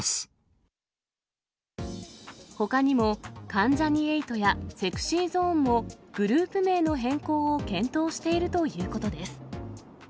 ほかにも関ジャニ∞やＳｅｘｙＺｏｎｅもグループ名の変更を検討しているということです。